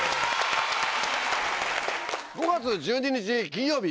５月１２日金曜日。